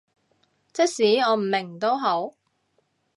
即使我唔明都好